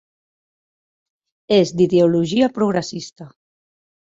És d'ideologia progressista.